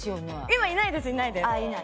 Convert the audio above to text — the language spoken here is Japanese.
今いないですいないです。